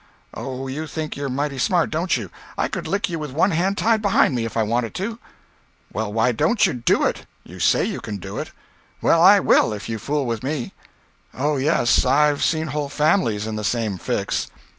"Oh, you think you're mighty smart, don't you? I could lick you with one hand tied behind me, if I wanted to." "Well why don't you do it? You say you can do it." "Well I will, if you fool with me." "Oh yes—I've seen whole families in the same fix."